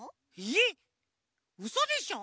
えっうそでしょ！？